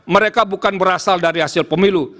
mereka bukan berasal dari hasil pemilu